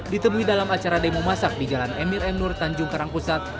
ditemui dalam acara demo masak di jalan emir m nur tanjung karangpusat